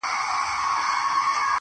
دا خو ډيره گرانه ده